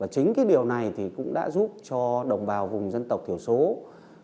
chính điều này cũng đã giúp cho đồng bào vùng dân tộc thiểu số vùng sâu vùng xa trong toàn tỉnh lào cai